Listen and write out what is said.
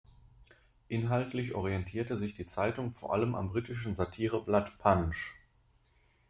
Inhaltlich orientierte sich die Zeitung vor allem am britischen Satireblatt "Punch".